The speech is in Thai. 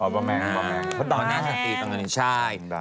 บ่าแม็งบ่าแม็งตอนนี้นาศิษฐีตรงนั้นใช่